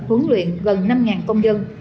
huấn luyện gần năm công dân